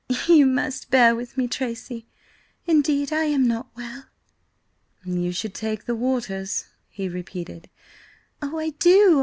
"You must bear with me, Tracy. Indeed, I am not well." "You should take the waters," he repeated. "Oh, I do!